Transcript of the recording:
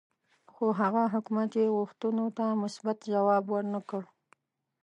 خو هغه حکومت یې غوښتنو ته مثبت ځواب ورنه کړ.